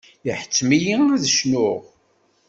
Iḥettem-iyi ad cnuɣ.